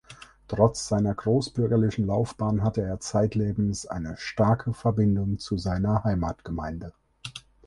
Trotz seiner großbürgerlichen Laufbahn hatte er zeitlebens eine starke Verbindung zu seiner Heimatgemeinde.